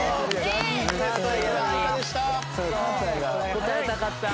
答えたかった。